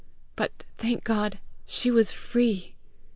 but, thank God, she was free!